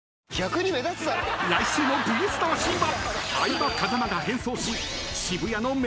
［来週の『ＶＳ魂』は］